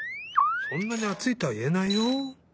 そんなにあついとはいえないよ。